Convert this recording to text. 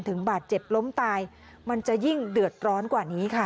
บาดเจ็บล้มตายมันจะยิ่งเดือดร้อนกว่านี้ค่ะ